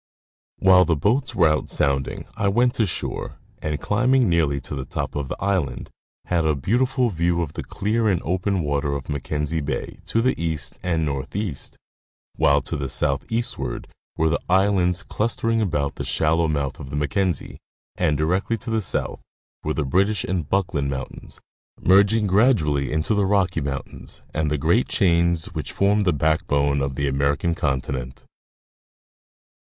While the boats were out sounding I went ashore and, climbing nearly to the top of the island, had a beautiful view of the clear and open water of Mackenzie bay, to the east and northeast ; while to the southeastward were the islands clustering about the shallow mouth of the Mackenzie, and directly to the south were the British and Buckland mountains, merging gradually into the Rocky mountains and the great chains which form the back bone of the American continent. 190 National Geographie Magazine.